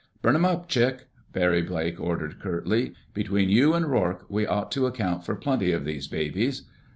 "Burn 'em up, Chick," Barry Blake ordered curtly. "Between you and Rourke we ought to account for plenty of these babies."